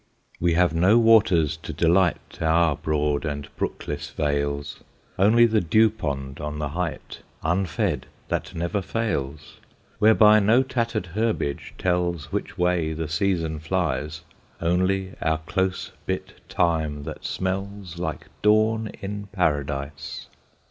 We have no waters to delight Our broad and brookless vales Only the dewpond on the height Unfed, that never fails, Whereby no tattered herbage tells Which way the season flies Only our close bit thyme that smells Like dawn in Paradise.